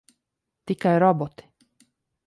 Tikai roboti.